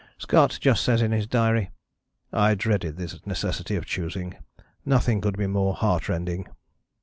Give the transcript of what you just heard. " Scott just says in his diary, "I dreaded this necessity of choosing nothing could be more heartrending."